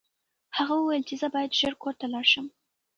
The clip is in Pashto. هغه وویل چې زه باید ژر کور ته لاړ شم.